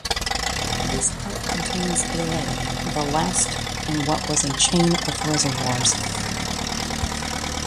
This park contains a lake, the last in what was a chain of reservoirs.